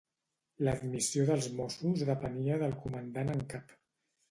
L'admissió dels mossos depenia del comandant en cap.